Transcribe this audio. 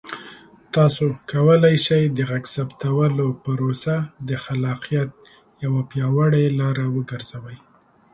تاسو کولی شئ د غږ ثبتولو پروسه د خلاقیت یوه پیاوړې لاره وګرځوئ.